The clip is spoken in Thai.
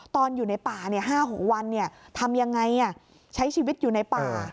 ตอนอยู่ในป่า๕๖วันทำยังไงใช้ชีวิตอยู่ในป่า